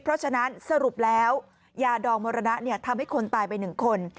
เพราะฉะนั้นสรุปแล้วยาดองมรณะทำให้คนตายไป๑คน